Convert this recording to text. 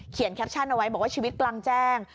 แคปชั่นเอาไว้บอกว่าชีวิตกลางแจ้ง